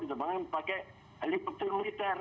diterbangkan pakai heliportir militer